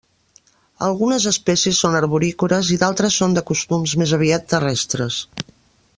Algunes espècies són arborícoles i d'altres són de costums més aviat terrestres.